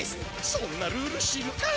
そんなルール知るかよ！